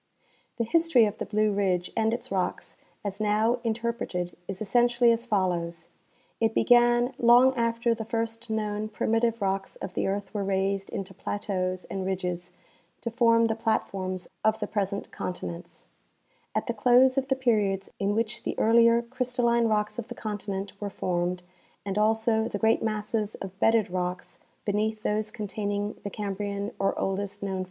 The history of the Blue ridge and its rocks as now interpreted is essentially as follows :'^ It began long after the first known primitive rocks of the earth were raised into plateaus and ridges to form the platforms of the present continents. At the close of the periods in which the earlier crystalline rocks of the conti nent were formed, and also the great masses of bedded rocks beneath those containing the Cambrian or oldest known fauna, *See Am. Journ. ScL, vol. xliv, 1892, pp. —. 86 C.